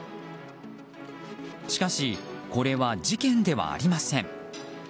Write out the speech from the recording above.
しかし、これは事件ではありません。